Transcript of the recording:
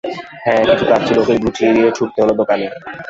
হাঁ, কিছু কাজ ছিল, ওকে বুঝিয়ে দিয়েই ছুটতে হল দোকানে।